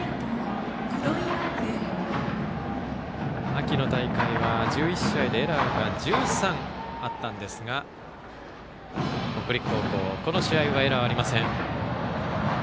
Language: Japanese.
秋の大会は、１１試合でエラーが１３ありましたが北陸高校この試合はエラーありません。